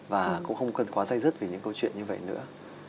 và cũng không cần quá dây dứt về những câu chuyện như vậy nữa